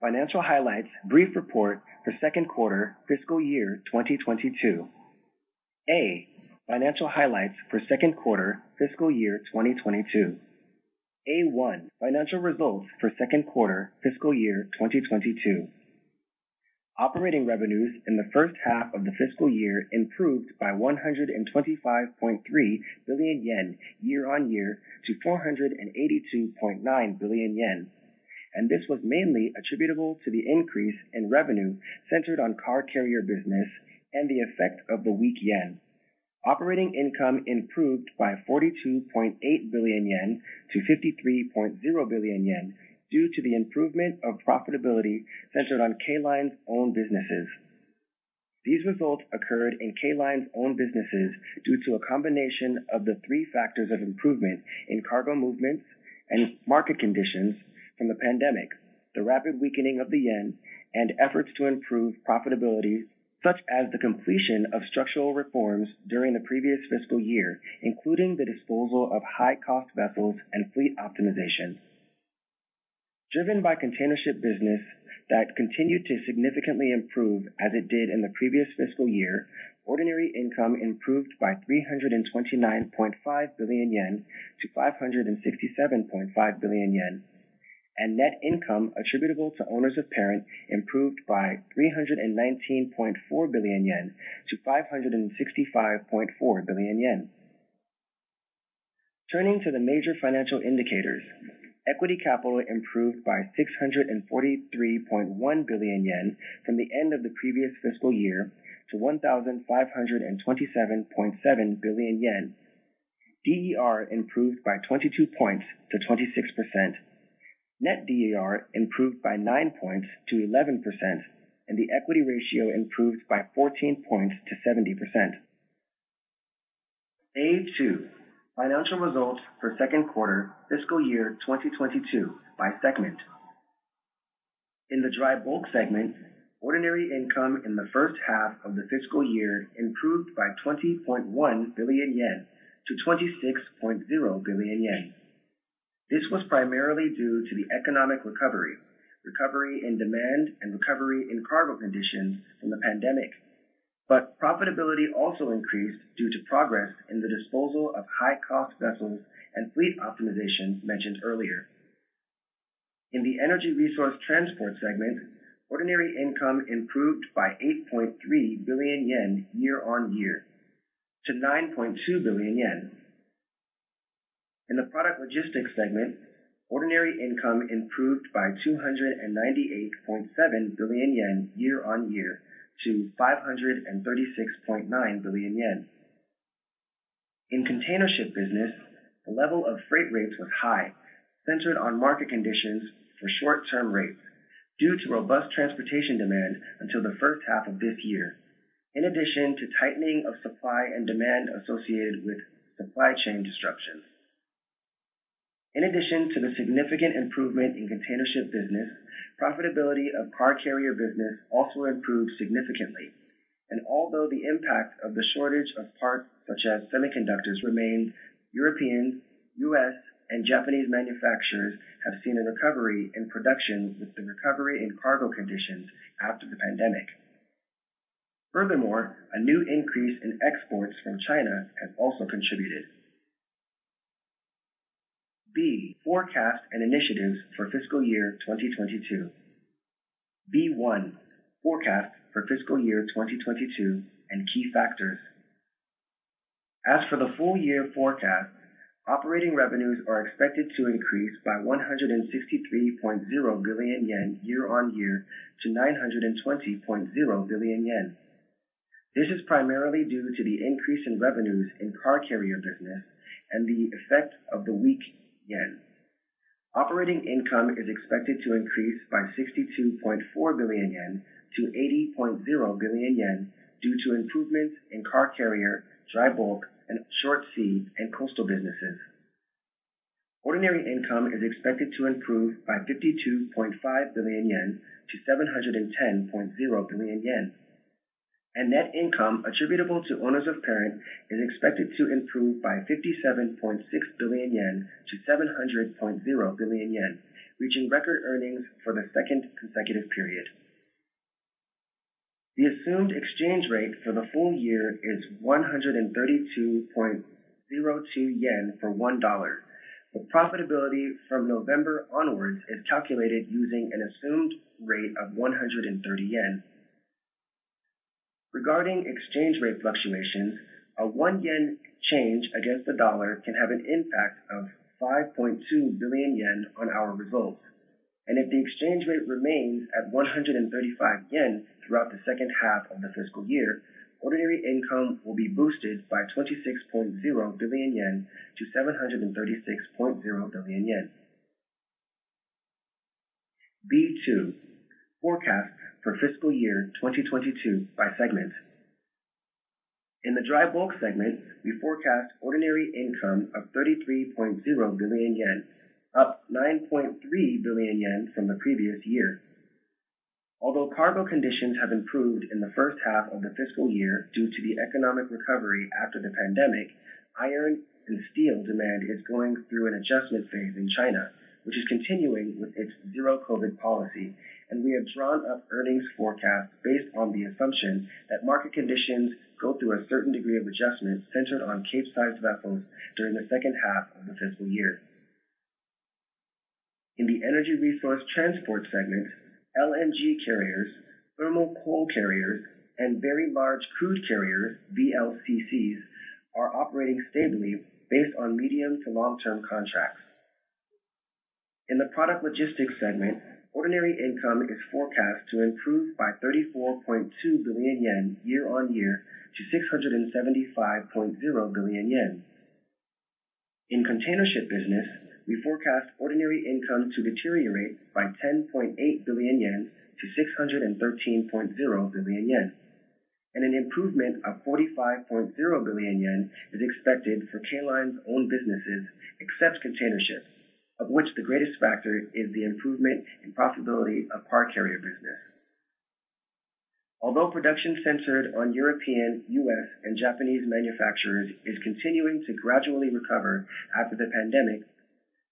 Financial Highlights Brief Report for Second Quarter Fiscal Year 2022. Operating revenues in the first half of the fiscal year improved by 125.3 billion yen year-on-year to 482.9 billion yen. This was mainly attributable to the increase in revenue centered on car carrier business and the effect of the weak yen. Operating income improved by 42.8 billion yen to 53.0 billion yen due to the improvement of profitability centered on K Line's own businesses. These results occurred in K Line's own businesses due to a combination of the three factors of improvement in cargo movements and market conditions from the pandemic, the rapid weakening of the yen, and efforts to improve profitability, such as the completion of structural reforms during the previous fiscal year, including the disposal of high cost vessels and fleet optimization. Driven by Container Ship Business that continued to significantly improve as it did in the previous fiscal year, ordinary income improved by 329.5 billion yen to 567.5 billion yen, and net income attributable to owners of parent improved by 319.4 billion yen to 565.4 billion yen. Turning to the major financial indicators, equity capital improved by 643.1 billion yen from the end of the previous fiscal year to 1,527.7 billion yen. D/E improved by 22 points to 26%. Net D/E improved by 9 points to 11%, and the equity ratio improved by 14 points to 70%. A2, Financial Results for Second Quarter Fiscal Year 2022 by Segment. In the Dry Bulk segment, ordinary income in the first half of the fiscal year improved by 20.1 billion yen to 26.0 billion yen. This was primarily due to the economic recovery in demand and recovery in cargo conditions from the pandemic. Profitability also increased due to progress in the disposal of high cost vessels and fleet optimization mentioned earlier. In the Energy Resource Transport segment, ordinary income improved by 8.3 billion yen year-over-year to 9.2 billion yen. In the Product Logistics segment, ordinary income improved by 298.7 billion yen year-over-year to 536.9 billion yen. In Container Ship Business, the level of freight rates was high, centered on market conditions for short-term rates due to robust transportation demand until the first half of this year, in addition to tightening of supply and demand associated with supply chain disruptions. In addition to the significant improvement in Container Ship Business, profitability of car carrier business also improved significantly. Although the impact of the shortage of parts such as semiconductors remains, European, U.S., and Japanese manufacturers have seen a recovery in production with the recovery in cargo conditions after the pandemic. Furthermore, a new increase in exports from China has also contributed. B, Forecast and Initiatives for Fiscal Year 2022. B1, Forecast for fiscal year 2022 and key factors. As for the full year forecast, operating revenues are expected to increase by 163.0 billion yen year-on-year to 920.0 billion yen. This is primarily due to the increase in revenues in car carrier business and the effect of the weak yen. Operating income is expected to increase by 62.4 billion yen to 80.0 billion yen due to improvements in car carrier, Dry Bulk, and short sea and coastal businesses. Ordinary income is expected to improve by 52.5 billion yen to 710.0 billion yen. Net income attributable to owners of parent is expected to improve by 57.6 billion yen to 700.0 billion yen, reaching record earnings for the second consecutive period. The assumed exchange rate for the full year is 132.02 yen for $1. The profitability from November onwards is calculated using an assumed rate of 130 yen. Regarding exchange rate fluctuations, a 1 yen change against the dollar can have an impact of 5.2 billion yen on our results. If the exchange rate remains at 135 yen throughout the second half of the fiscal year, ordinary income will be boosted by 26.0 billion yen to 736.0 billion yen. B2, Forecast for Fiscal Year 2022 by Segment. In the Dry Bulk segment, we forecast ordinary income of 33.0 billion yen, up 9.3 billion yen from the previous year. Although cargo conditions have improved in the first half of the fiscal year due to the economic recovery after the pandemic, iron and steel demand is going through an adjustment phase in China, which is continuing with its zero-COVID policy. We have drawn up earnings forecast based on the assumption that market conditions go through a certain degree of adjustment centered on Cape-size vessels during the second half of the fiscal year. In the Energy Resource Transport segment, LNG carriers, thermal coal carriers, and very large crude carriers, VLCCs, are operating stably based on medium to long-term contracts. In the Product Logistics segment, ordinary income is forecast to improve by 34.2 billion yen year-on-year to 675.0 billion yen. In Container Ship Business, we forecast ordinary income to deteriorate by 10.8 billion yen to 613.0 billion yen. An improvement of 45.0 billion yen is expected for K Line's own businesses, except container ships, of which the greatest factor is the improvement in profitability of car carrier business. Although production centered on European, U.S., and Japanese manufacturers is continuing to gradually recover after the pandemic,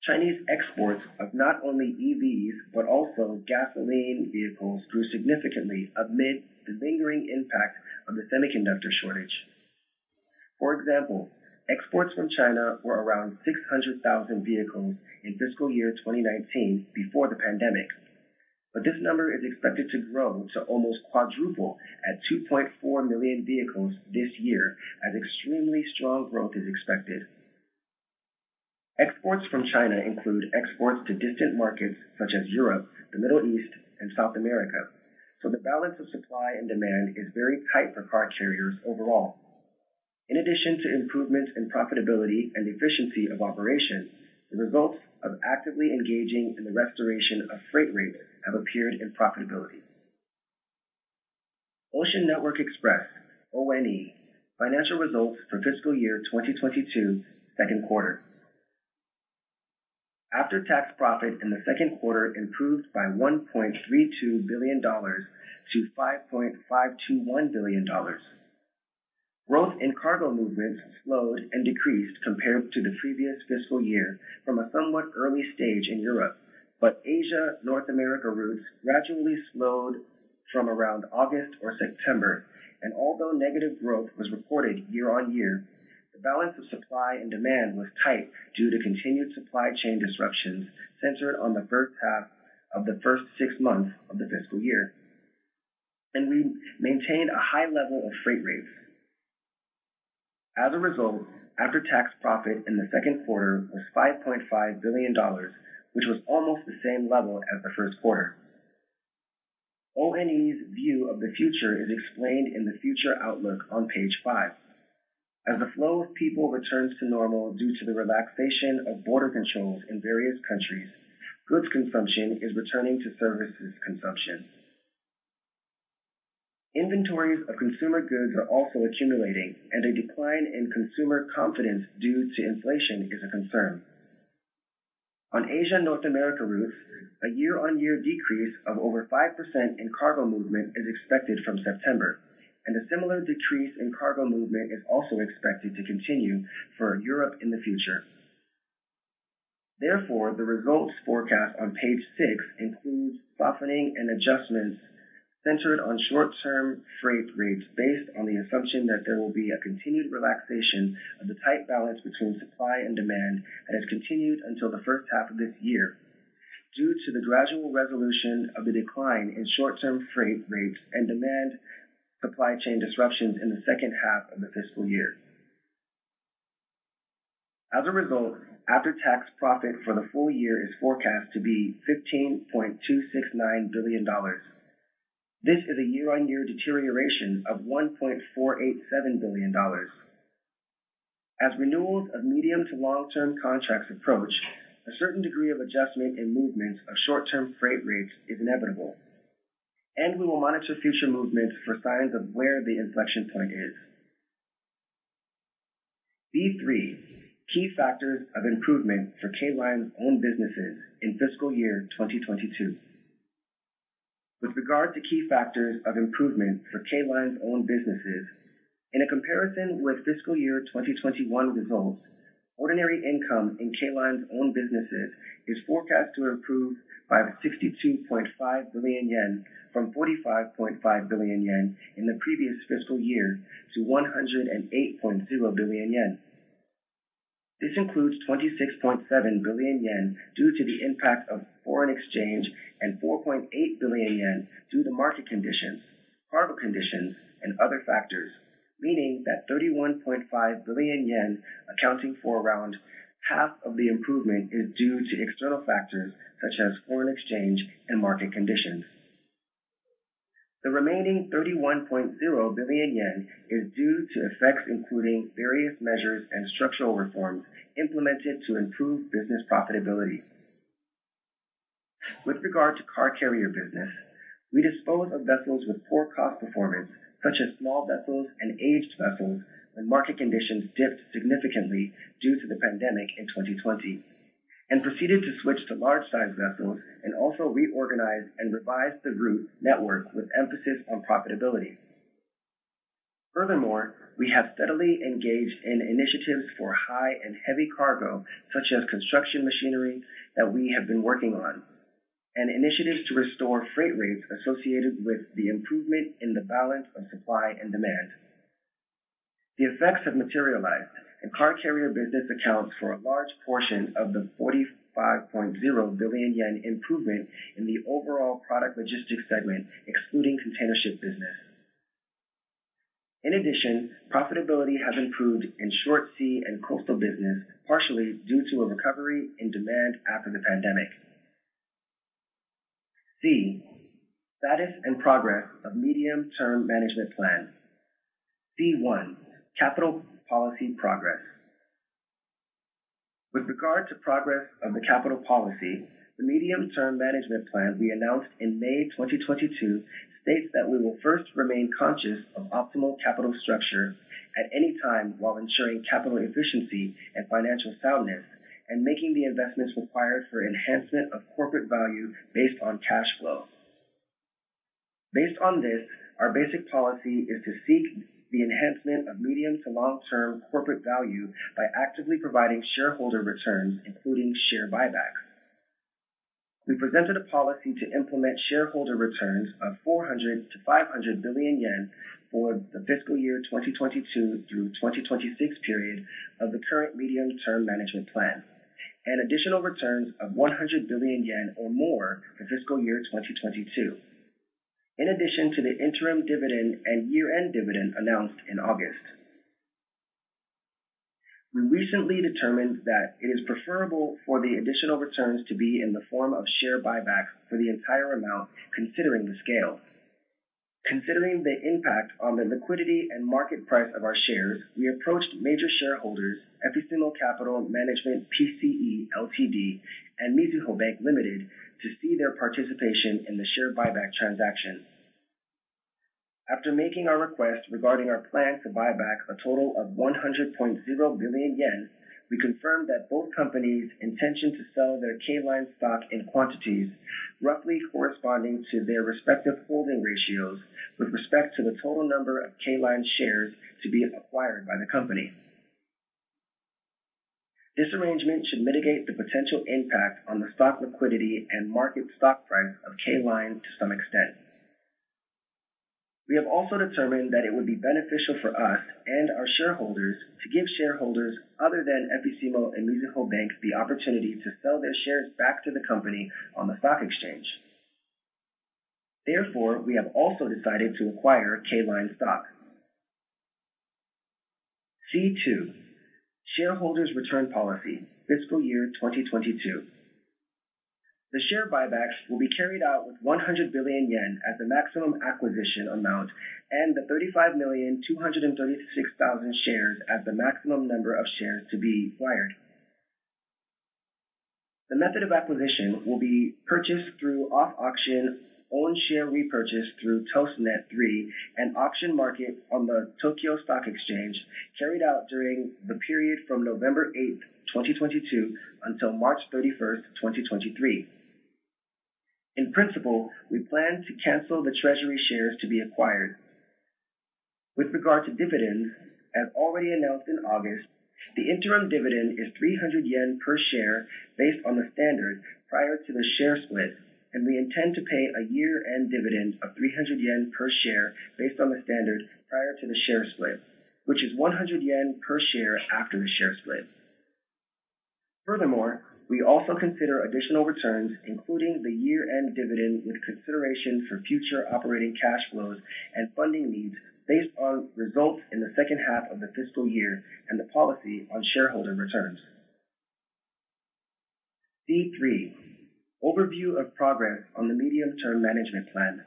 Chinese exports of not only EVs, but also gasoline vehicles grew significantly amid the lingering impact of the semiconductor shortage. For example, exports from China were around 600,000 vehicles in fiscal year 2019 before the pandemic. This number is expected to grow to almost quadruple at 2.4 million vehicles this year, as extremely strong growth is expected. Exports from China include exports to distant markets such as Europe, the Middle East, and South America. The balance of supply and demand is very tight for car carriers overall. In addition to improvements in profitability and efficiency of operation, the results of actively engaging in the restoration of freight rates have appeared in profitability. Ocean Network Express, ONE, Financial Results for Fiscal Year 2022, Second Quarter. After-tax profit in the second quarter improved by $1.32 billion to $5.521 billion. Growth in cargo movements slowed and decreased compared to the previous fiscal year from a somewhat early stage in Europe. Asia, North America routes gradually slowed from around August or September. Although negative growth was reported year-on-year, the balance of supply and demand was tight due to continued supply chain disruptions centered on the first half of the first six months of the fiscal year. We maintained a high level of freight rates. As a result, after-tax profit in the second quarter was $5.5 billion, which was almost the same level as the first quarter. ONE's view of the future is explained in the future outlook on page five. As the flow of people returns to normal due to the relaxation of border controls in various countries, goods consumption is returning to services consumption. Inventories of consumer goods are also accumulating, and a decline in consumer confidence due to inflation is a concern. On Asia, North America routes, a year-on-year decrease of over 5% in cargo movement is expected from September, and a similar decrease in cargo movement is also expected to continue for Europe in the future. Therefore, the results forecast on page six includes softening and adjustments centered on short-term freight rates based on the assumption that there will be a continued relaxation of the tight balance between supply and demand that has continued until the first half of this year due to the gradual resolution of the decline in short-term freight rates and demand supply chain disruptions in the second half of the fiscal year. As a result, after-tax profit for the full year is forecast to be JPY 15.269 billion. This is a year-on-year deterioration of JPY 1.487 billion. As renewals of medium- to long-term contracts approach, a certain degree of adjustment in movement of short-term freight rates is inevitable, and we will monitor future movements for signs of where the inflection point is. B3. Key factors of improvement for K Line's own businesses in fiscal year 2022. With regard to key factors of improvement for K Line's own businesses, in a comparison with fiscal year 2021 results, ordinary income in K Line's own businesses is forecast to improve by 62.5 billion yen from 45.5 billion yen in the previous fiscal year to 108.0 billion yen. This includes 26.7 billion yen due to the impact of foreign exchange and 4.8 billion yen due to market conditions, cargo conditions, and other factors, meaning that 31.5 billion yen accounting for around half of the improvement is due to external factors such as foreign exchange and market conditions. The remaining 31.0 billion yen is due to effects including various measures and structural reforms implemented to improve business profitability. With regard to car carrier business, we dispose of vessels with poor cost performance, such as small vessels and aged vessels when market conditions dipped significantly due to the pandemic in 2020. Proceeded to switch to large-size vessels and also reorganize and revise the route network with emphasis on profitability. Furthermore, we have steadily engaged in initiatives for high and heavy cargo, such as construction machinery that we have been working on, and initiatives to restore freight rates associated with the improvement in the balance of supply and demand. The effects have materialized, and car carrier business accounts for a large portion of the 45.0 billion yen improvement in the overall Product Logistics segment, excluding Container Ship Business. In addition, profitability has improved in short sea and coastal business, partially due to a recovery in demand after the pandemic. C. Status and progress of medium-term management plan. C1, Capital Policy Progress. With regard to progress of the capital policy, the medium-term management plan we announced in May 2022 states that we will first remain conscious of optimal capital structure at any time while ensuring capital efficiency and financial soundness and making the investments required for enhancement of corporate value based on cash flow. Based on this, our basic policy is to seek the enhancement of medium- to long-term corporate value by actively providing shareholder returns, including share buybacks. We presented a policy to implement shareholder returns of 400 billion-500 billion yen for the fiscal year 2022 through 2026 period of the current medium-term management plan, and additional returns of 100 billion yen or more for fiscal year 2022. In addition to the interim dividend and year-end dividend announced in August. We recently determined that it is preferable for the additional returns to be in the form of share buybacks for the entire amount, considering the scale. Considering the impact on the liquidity and market price of our shares, we approached major shareholders, Effissimo Capital Management Pte Ltd, and Mizuho Bank, Ltd., to see their participation in the share buyback transaction. After making our request regarding our plan to buy back a total of 100.0 billion yen, we confirmed that both companies intention to sell their K Line stock in quantities roughly corresponding to their respective holding ratios with respect to the total number of K Line shares to be acquired by the company. This arrangement should mitigate the potential impact on the stock liquidity and market stock price of K Line to some extent. We have also determined that it would be beneficial for us and our shareholders to give shareholders other than Effissimo and Mizuho Bank the opportunity to sell their shares back to the company on the stock exchange. Therefore, we have also decided to acquire K Line stock. C2, Shareholders' Return Policy, Fiscal Year 2022. The share buybacks will be carried out with 100 billion yen as the maximum acquisition amount and the 35,236,000 shares as the maximum number of shares to be acquired. The method of acquisition will be purchased through off-auction own share repurchase through ToSTNeT-3 and auction market on the Tokyo Stock Exchange, carried out during the period from November 8, 2022, until March 31, 2023. In principle, we plan to cancel the treasury shares to be acquired. With regard to dividends, as already announced in August, the interim dividend is 300 yen per share based on the standard prior to the share split, and we intend to pay a year-end dividend of 300 yen per share based on the standard prior to the share split, which is 100 yen per share after the share split. Furthermore, we also consider additional returns, including the year-end dividend, with consideration for future operating cash flows and funding needs based on results in the second half of the fiscal year and the policy on shareholder returns. C3, Overview of Progress on the Medium-Term Management Plan.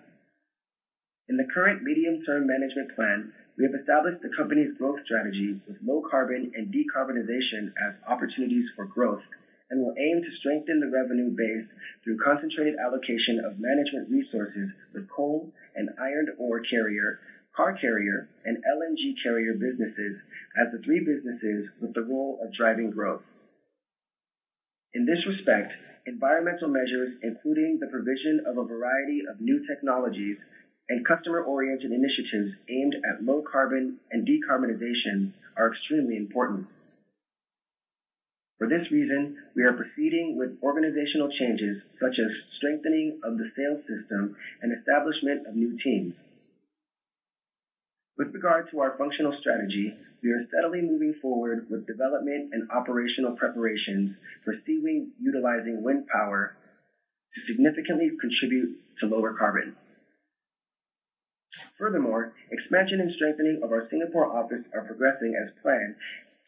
In the current medium-term management plan, we have established the company's growth strategy with low carbon and decarbonization as opportunities for growth and will aim to strengthen the revenue base through concentrated allocation of management resources with coal and iron ore carrier, car carrier, and LNG carrier businesses as the three businesses with the role of driving growth. In this respect, environmental measures, including the provision of a variety of new technologies and customer-oriented initiatives aimed at low carbon and decarbonization are extremely important. For this reason, we are proceeding with organizational changes such as strengthening of the sales system and establishment of new teams. With regard to our functional strategy, we are steadily moving forward with development and operational preparations for Seawing utilizing wind power to significantly contribute to lower carbon. Furthermore, expansion and strengthening of our Singapore office are progressing as planned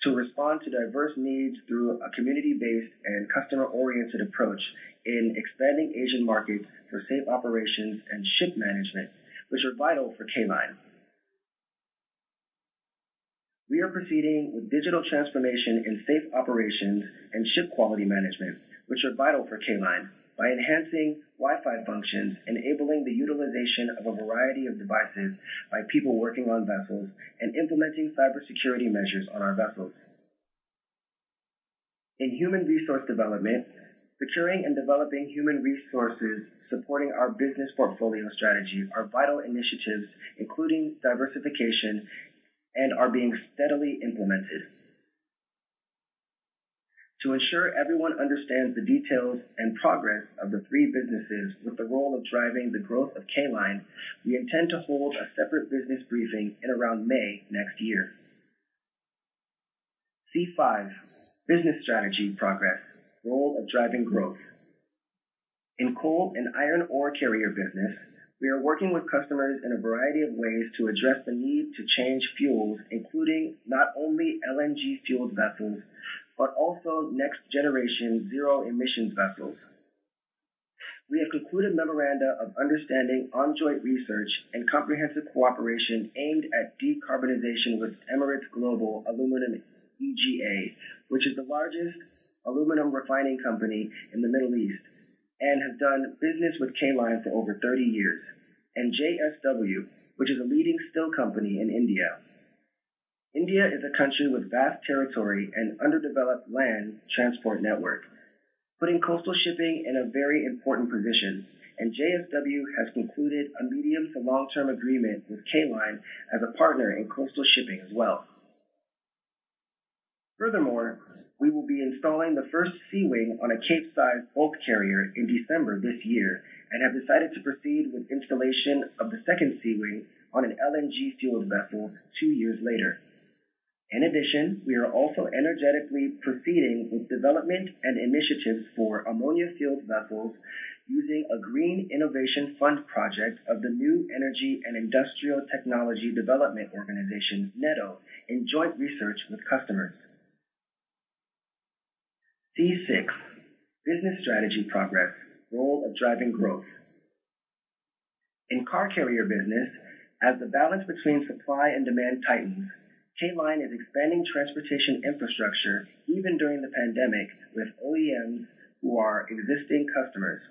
to respond to diverse needs through a community-based and customer-oriented approach in expanding Asian markets for safe operations and ship management, which are vital for K Line. We are proceeding with digital transformation in safe operations and ship quality management, which are vital for K Line. By enhancing Wi-Fi functions, enabling the utilization of a variety of devices by people working on vessels, and implementing cybersecurity measures on our vessels. In human resource development, securing and developing human resources supporting our business portfolio strategy are vital initiatives, including diversification, and are being steadily implemented. To ensure everyone understands the details and progress of the three businesses with the role of driving the growth of K Line, we intend to hold a separate business briefing in around May next year. C5. Business Strategy Progress: Role of Driving Growth. In Coal and Iron Ore Carrier Business, we are working with customers in a variety of ways to address the need to change fuels, including not only LNG-fueled vessels, but also next-generation zero-emission vessels. We have concluded memoranda of understanding on joint research and comprehensive cooperation aimed at decarbonization with Emirates Global Aluminium, EGA, which is the largest aluminum refining company in the Middle East and has done business with K Line for over 30 years, and JSW, which is a leading steel company in India. India is a country with vast territory and underdeveloped land transport network, putting coastal shipping in a very important position, and JSW has concluded a medium to long-term agreement with K Line as a partner in coastal shipping as well. Furthermore, we will be installing the first Seawing on a Capesize bulk carrier in December this year and have decided to proceed with installation of the second Seawing on an LNG-fueled vessel two years later. In addition, we are also energetically proceeding with development and initiatives for ammonia-fueled vessels using a Green Innovation Fund project of the New Energy and Industrial Technology Development Organization, NEDO, in joint research with customers. C6. Business Strategy Progress, role of driving growth. In car carrier business, as the balance between supply and demand tightens, K Line is expanding transportation infrastructure even during the pandemic with OEMs who are existing customers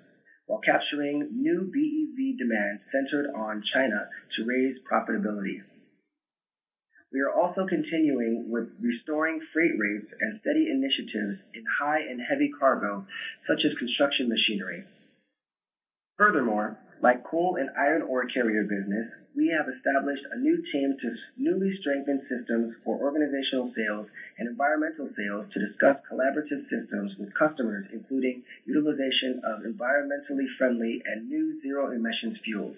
while capturing new BEV demand centered on China to raise profitability. We are also continuing with restoring freight rates and steady initiatives in high and heavy cargo, such as construction machinery. Furthermore, like coal and iron ore carrier business, we have established a new team to newly strengthen systems for organizational sales and environmental sales to discuss collaborative systems with customers, including utilization of environmentally friendly and new zero-emissions fuels.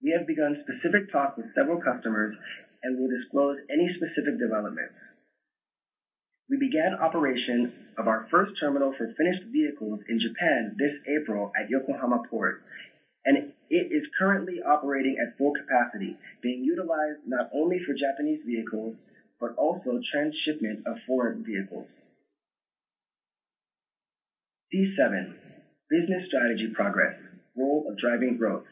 We have begun specific talks with several customers and will disclose any specific developments. We began operation of our first terminal for finished vehicles in Japan this April at Yokohama Port, and it is currently operating at full capacity, being utilized not only for Japanese vehicles, but also transshipment of foreign vehicles. C7. Business Strategy Progress, role of driving growth.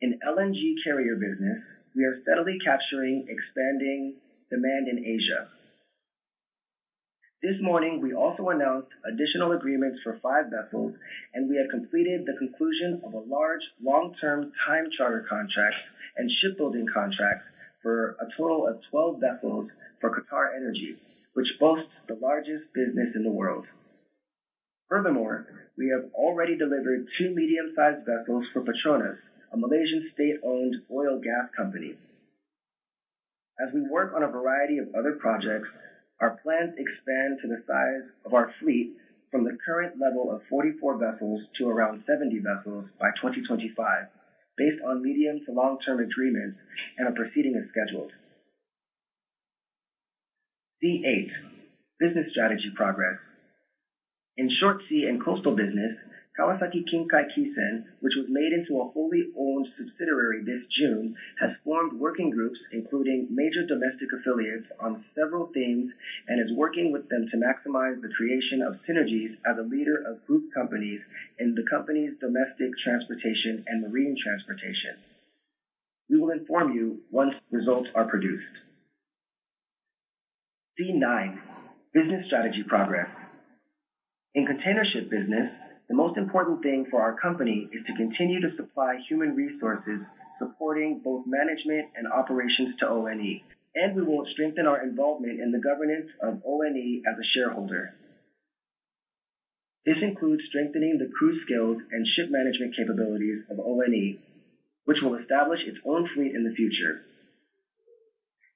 In LNG carrier business, we are steadily capturing expanding demand in Asia. This morning, we also announced additional agreements for five vessels, and we have completed the conclusion of a large long-term time charter contract and shipbuilding contracts for a total of 12 vessels for QatarEnergy, which boasts the largest business in the world. Furthermore, we have already delivered two medium-sized vessels for PETRONAS, a Malaysian state-owned oil and gas company. As we work on a variety of other projects, our plans expand to the size of our fleet from the current level of 44 vessels to around 70 vessels by 2025 based on medium to long-term agreements and are proceeding as scheduled. C8. Business Strategy Progress. In Short Sea and Coastal Business, Kawasaki Kinkai Kisen Kaisha, which was made into a wholly owned subsidiary this June, has formed working groups, including major domestic affiliates, on several themes and is working with them to maximize the creation of synergies as a leader of group companies in the company's domestic transportation and marine transportation. We will inform you once results are produced. C9. Business Strategy Progress. In Container Ship Business, the most important thing for our company is to continue to supply human resources supporting both management and operations to ONE, and we will strengthen our involvement in the governance of ONE as a shareholder. This includes strengthening the crew skills and ship management capabilities of ONE, which will establish its own fleet in the future.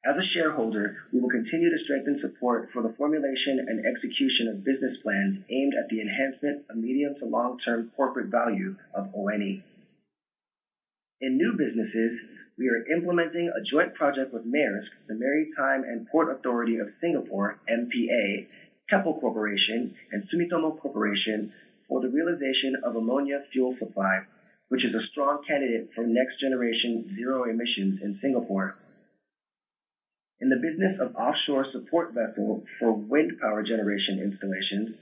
As a shareholder, we will continue to strengthen support for the formulation and execution of business plans aimed at the enhancement of medium to long-term corporate value of ONE. In new businesses, we are implementing a joint project with Maersk, the Maritime and Port Authority of Singapore, MPA, Keppel Ltd., and Sumitomo Corporation for the realization of ammonia fuel supply, which is a strong candidate for next-generation zero emissions in Singapore. In the business of offshore support vessel for wind power generation installations,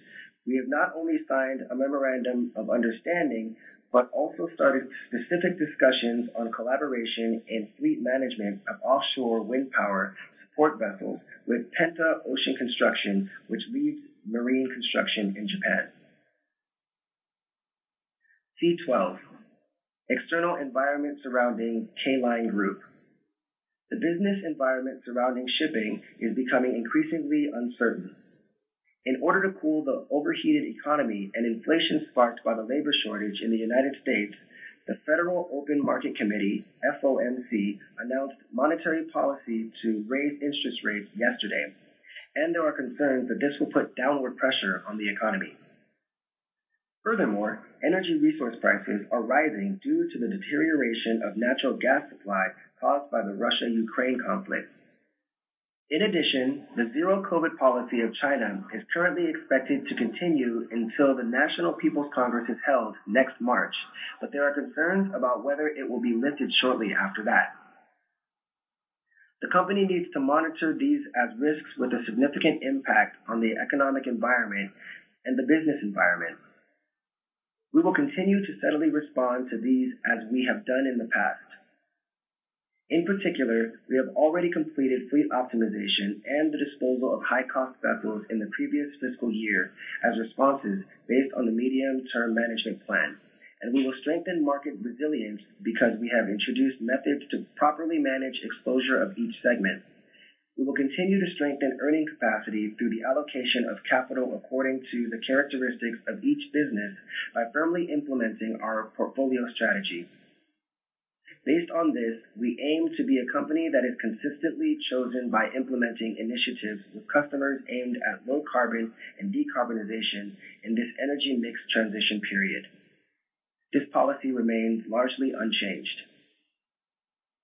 we have not only signed a memorandum of understanding, but also started specific discussions on collaboration and fleet management of offshore wind power support vessels with Penta-Ocean Construction, which leads marine construction in Japan. 12. External environment surrounding K Line Group. The business environment surrounding shipping is becoming increasingly uncertain. In order to cool the overheated economy and inflation sparked by the labor shortage in the United States, the Federal Open Market Committee, FOMC, announced monetary policy to raise interest rates yesterday, and there are concerns that this will put downward pressure on the economy. Furthermore, Energy Resource prices are rising due to the deterioration of natural gas supply caused by the Russia-Ukraine conflict. In addition, the zero-COVID policy of China is currently expected to continue until the National People's Congress is held next March, but there are concerns about whether it will be lifted shortly after that. The company needs to monitor these as risks with a significant impact on the economic environment and the business environment. We will continue to steadily respond to these as we have done in the past. In particular, we have already completed fleet optimization and the disposal of high-cost vessels in the previous fiscal year as responses based on the medium-term management plan. We will strengthen market resilience because we have introduced methods to properly manage exposure of each segment. We will continue to strengthen earning capacity through the allocation of capital according to the characteristics of each business by firmly implementing our portfolio strategy. Based on this, we aim to be a company that is consistently chosen by implementing initiatives with customers aimed at low carbon and decarbonization in this energy mix transition period. This policy remains largely unchanged.